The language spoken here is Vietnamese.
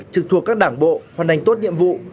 trực thuộc các đảng bộ hoàn thành tốt nhiệm vụ